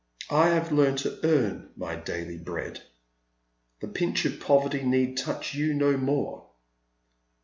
I have learned to earn my daily bread. The pinch of poverty need touch you no more."